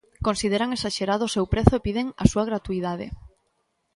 Consideran esaxerado o seu prezo e piden a súa gratuidade.